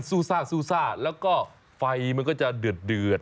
ศูซ่าแล้วก็ไฟมันก็จะเดือด